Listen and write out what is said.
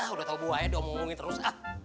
udah tau buaya udah ngomongin terus